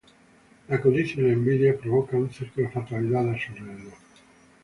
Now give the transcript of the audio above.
La codicia y la envidia provoca un circo de fatalidades a su alrededor.